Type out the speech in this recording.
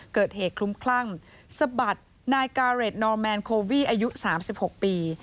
คลุ้มคลั่งสะบัดนายกาเรดนอร์แมนโควีอายุ๓๖ปี